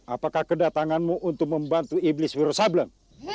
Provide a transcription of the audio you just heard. apakah kedatanganmu untuk membantu iblis wirosablen